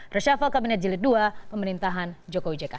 reshafal kabinet jilid dua pemerintahan joko widjeka